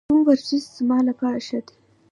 کوم ورزش زما لپاره ښه دی؟